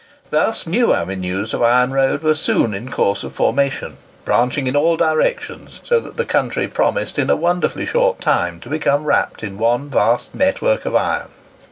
Thus new avenues of iron road were soon in course of formation, branching in all directions, so that the country promised in a wonderfully short time to become wrapped in one vast network of iron.